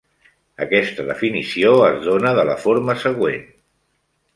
Aquesta definició es dona de la forma següent.